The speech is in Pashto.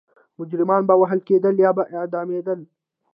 مجرمان به وهل کېدل یا به اعدامېدل.